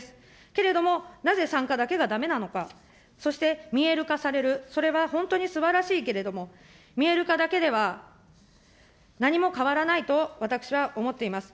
けれどもなぜ、産科だけがだめなのか、そして見える化される、それは本当にすばらしいけれども、見える化だけでは何も変わらないと、私は思っています。